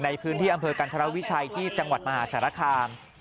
ในพื้นที่อำเภอกันธรวิชัยที่จังหวัดมหาสารคาม